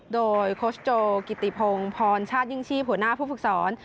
โดยโคชโจกิติพงศ์พรชาติยิ่งชีพหัวหน้าผู้ฝึกสอน